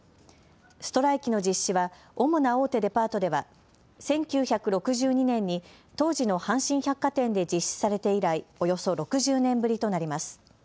ストライキの実施は主な大手デパートでは１９６２年に当時の阪神百貨店で実施されて以来およそ６０年ぶりとなります。